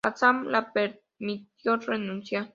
Asaph, la permitió renunciar.